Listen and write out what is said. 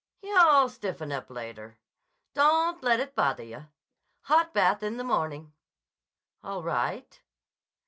"Yah'll stiffen up later. Don't let it bother yah. Hot bath in the morning." "All right."